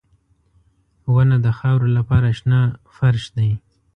• ونه د خاورو لپاره شنه فرش دی.